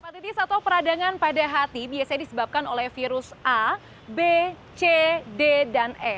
hepatitis atau peradangan pada hati biasanya disebabkan oleh virus a b c d dan e